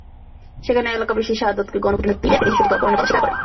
সেখানে এলাকাবাসী শাহাদতকে গণপিটুনি দিলে তিনি শিশুটিকে অপহরণের কথা স্বীকার করেন।